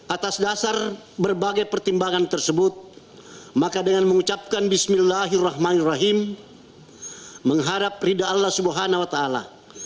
atas dasar berbagai pertimbangan tersebut maka dengan mengucapkan bismillahirrahmanirrahim mengharap ridha allah swt